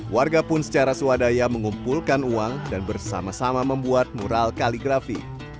warga pun secara swadaya mengumpulkan uang dan bersama sama membuat mural kaligrafi